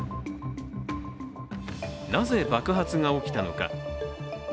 なぜ爆発が起きたのか。